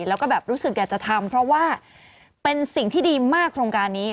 แล้วก็แบบรู้สึกอยากจะทำเพราะว่าเป็นสิ่งที่ดีมากโครงการนี้